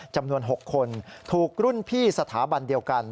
จำนวน๖คนถูกรุ่นพี่สถาบันเดียวกัน